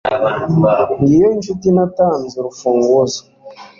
Ngiyo inshuti natanze urufunguzo